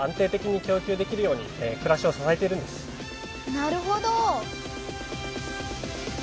なるほど。